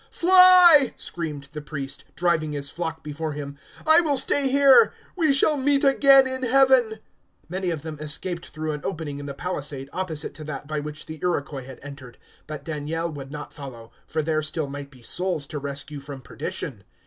"Fly!" screamed the priest, driving his flock before him. "I will stay here. We shall meet again in Heaven." Many of them escaped through an opening in the palisade opposite to that by which the Iroquois had entered; but Daniel would not follow, for there still might be souls to rescue from perdition.